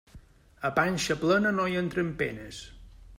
A panxa plena no hi entren penes.